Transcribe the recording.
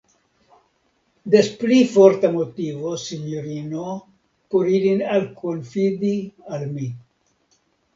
Des pli forta motivo, sinjorino, por ilin alkonfidi al mi.